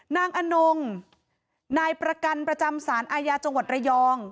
อนงนายประกันประจำสารอาญาจังหวัดระยอง